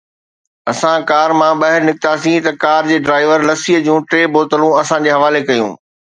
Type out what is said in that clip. اسان ڪار مان ٻاهر نڪتاسين ته ڪار جي ڊرائيور لسيءَ جون ٽي بوتلون اسان جي حوالي ڪيون.